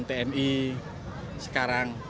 apa kemampuan tni sekarang